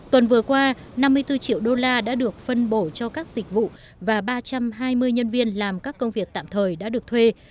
tuần vừa qua năm mươi bốn triệu đô la đã được phân bổ cho các dịch vụ và ba trăm hai mươi nhân viên làm các công việc tạm thời đã được thuê